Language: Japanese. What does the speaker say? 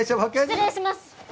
失礼します！